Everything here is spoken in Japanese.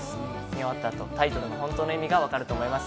見終わったあと、タイトルの本当の意味がわかると思います。